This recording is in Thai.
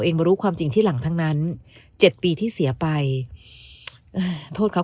เองรู้ความจริงที่หลังทั้งนั้น๗ปีที่เสียไปโทษเขา